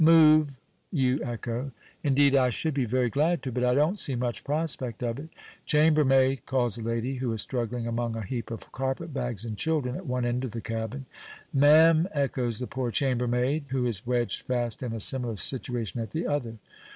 "Move!" you echo. "Indeed, I should be very glad to, but I don't see much prospect of it." "Chambermaid!" calls a lady, who is struggling among a heap of carpet bags and children at one end of the cabin. "Ma'am!" echoes the poor chambermaid, who is wedged fast, in a similar situation, at the other.